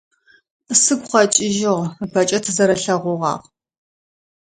Сыгу къэкӏыжьыгъ, ыпэкӏэ тызэрэлъэгъугъагъ.